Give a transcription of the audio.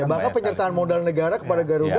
bahkan penyertaan modal negara kepada garuda